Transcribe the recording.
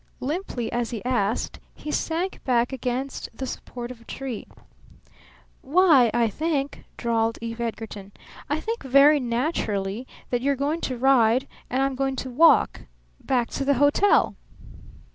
Limply as he asked he sank back against the support of a tree. "Why, I think," drawled Eve Edgarton, "I think very naturally that you're going to ride and I'm going to walk back to the hotel."